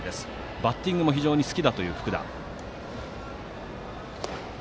バッティングも非常に好きだという福田。